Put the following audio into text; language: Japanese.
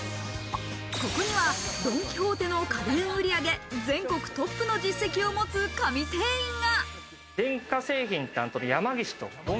ここにはドン・キホーテの家電売上全国トップの実績を持つ神店員が。